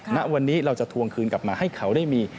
ณวันนี้เราจะทวงคืนกลับมาให้เขาได้มี